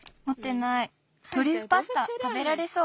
トリュフパスタたべられそう？